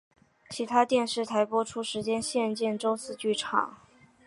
其他电视台播出时间详见周四剧场。